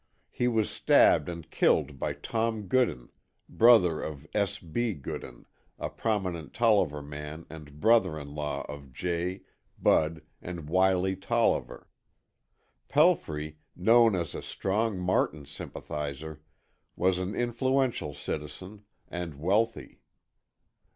He was stabbed and killed by Tom Goodan, brother of S. B. Goodan, a prominent Tolliver man and brother in law of Jay, Bud and Wiley Tolliver. Pelfrey, known as a strong Martin sympathizer, was an influential citizen and wealthy.